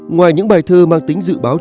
ngoài những bài thơ mang tính dự báo